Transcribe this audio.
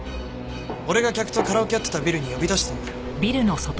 俺が客とカラオケやってたビルに呼び出したんだよ。